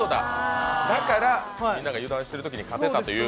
だからみんなが油断したところで勝てたという。